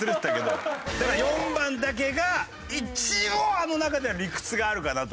だから４番だけが一応あの中では理屈があるかなと。